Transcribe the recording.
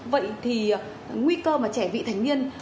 vậy thì nguy cơ mà trẻ vị thành viên